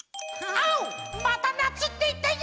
あっまた「なつ」っていったよ！